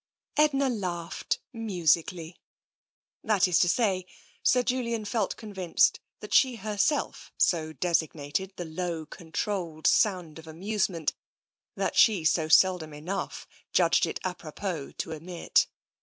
Edna laughed musically — that is to say. Sir Julian felt convinced that she herself so designated the low, controlled sound of amusement that she so seldom enough judged it d propos to emit.